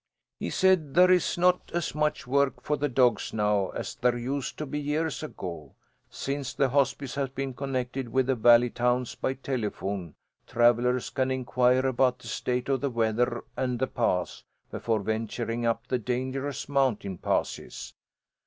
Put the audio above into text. "He said there is not as much work for the dogs now as there used to be years ago. Since the hospice has been connected with the valley towns by telephone, travellers can inquire about the state of the weather and the paths, before venturing up the dangerous mountain passes.